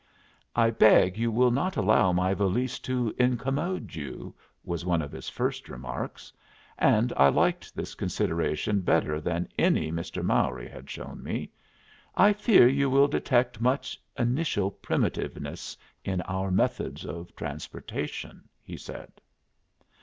"I beg you will not allow my valise to incommode you," was one of his first remarks; and I liked this consideration better than any Mr. Mowry had shown me. "I fear you will detect much initial primitiveness in our methods of transportation," he said.